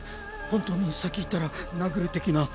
本当に先行ったら殴る的な。